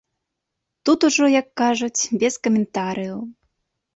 Тут ужо, як кажуць, без каментарыяў.